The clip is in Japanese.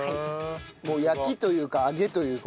もう焼きというか揚げというか。